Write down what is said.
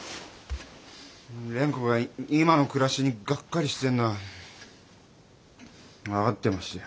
蓮子が今の暮らしにがっかりしてるのは分かってましたよ。